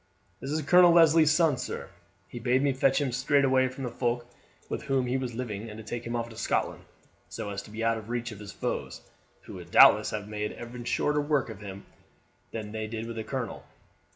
"This is Colonel Leslie's son, sir. He bade me fetch him straight away from the folk with whom he was living and take him off to Scotland so as to be out of reach of his foes, who would doubtless have made even shorter work with him than they did with the colonel."